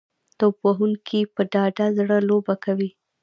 توپ وهونکي په ډاډه زړه لوبه کوي.